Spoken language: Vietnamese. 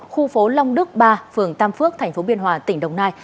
khu phố long đức ba phường tam phước tp biên hòa tỉnh đồng nai